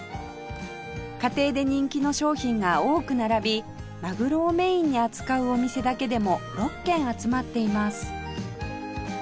家庭で人気の商品が多く並びまぐろをメインに扱うお店だけでも６軒集まっています